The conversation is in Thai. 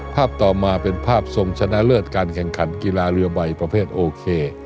ต่อมาเป็นภาพทรงชนะเลิศการแข่งขันกีฬาเรือใบประเภทโอเค